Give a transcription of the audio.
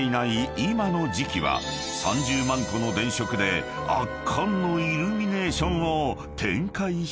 今の時期は３０万個の電飾で圧巻のイルミネーションを展開しているそう］